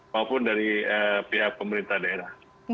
maupun dari pihak pemerintah daerah